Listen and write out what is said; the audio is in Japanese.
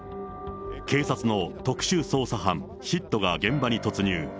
警察の特殊捜査班・ＳＩＴが現場に突入。